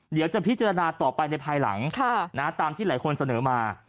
เดี๋ยวจะพิจารณาต่อไปในภายหลังตามที่หลายคนเสนอมา